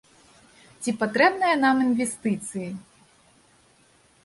Ці патрэбныя нам інвестыцыі?